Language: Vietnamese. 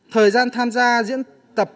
thời gian tham gia diễn tập